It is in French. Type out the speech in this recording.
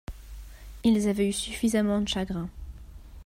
Ils avaient eu suffissament de chagrin.